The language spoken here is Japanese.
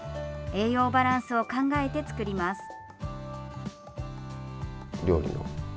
栄養バランスを考えて作ります。